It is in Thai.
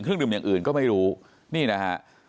เครื่องดื่มอย่างอื่นก็ไม่รู้นี่นะฮะ